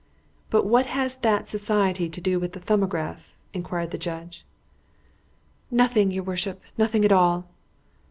"But what has that society to do with the 'Thumbograph'?" inquired the judge. "Nothing, your worship. Nothing at all."